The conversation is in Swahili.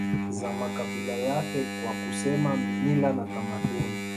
za makabila yake kwa kusema mila na tamaduni